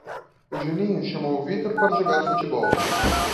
O Juninho chamou o Vítor para jogar futebol.